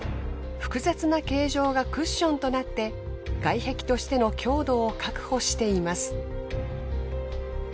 複雑な形状がクッションとなって外壁としての強度を確保しています。